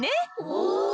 おお！